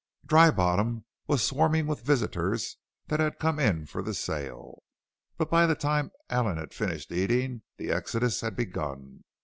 Dry Bottom was swarming with visitors that had come in for the sale. But by the time Allen had finished eating the exodus had begun.